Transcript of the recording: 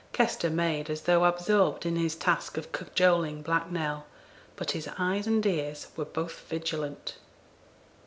Kester made as though absorbed in his task of cajoling Black Nell; but his eyes and ears were both vigilant.